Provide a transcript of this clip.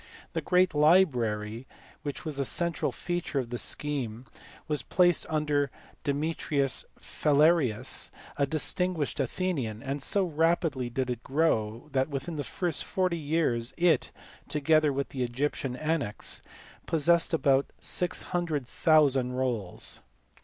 The great library which was the central feature of the scheme was placed under Demetrius Phalereus, a distinguished Athenian ; and so rapidly did it grow that within 40 years it (together with the Egyptian annexe) possessed about 600,000 rolls.